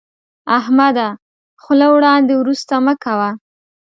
احمده، خوله وړاندې ورسته مه کوه.